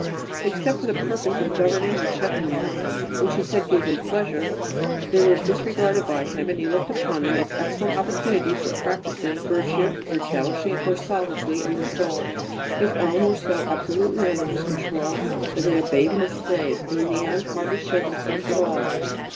Except for the purpose of governing and checking them, which he said gave him pleasure, they were disregarded by him; and he looked upon them as excellent opportunities for practising virtue and establishing it more solidly in the soul. His own were so absolutely under his control that they obeyed him as slaves, and in the end hardly showed themselves at all.